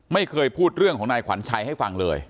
ไม่เคยพูดเรื่องของนายขวัญชัยให้ฟังเลย